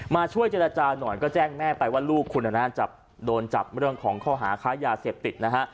มาช่วยเจรจาหน่อยก็แจ้งแม่ไปว่าลูกคุณโดนจับเรื่องของข้อหาค้ายาเสพติดนะฮะ